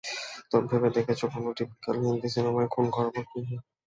তো, ভেবে দেখেছো কোনো টিপিক্যাল হিন্দি সিনেমায় খুন করার পর কী হয়?